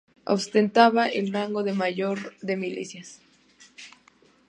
Ostentaba el rango de mayor de milicias.